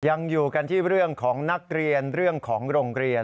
ยังอยู่กันที่เรื่องของนักเรียนเรื่องของโรงเรียน